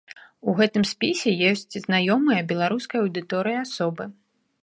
У гэтым спісе ёсць знаёмыя беларускай аўдыторыі асобы.